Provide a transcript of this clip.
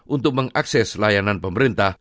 untuk mengakses layanan pemerintah